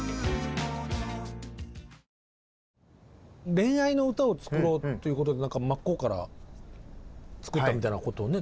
恋愛の歌を作ろうということで真っ向から作ったみたいなことをね。